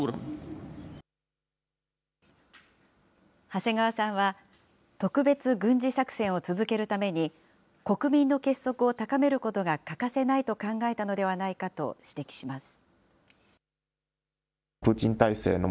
長谷川さんは、特別軍事作戦を続けるために、国民の結束を高めることが欠かせないと考えたのではないかと指摘します。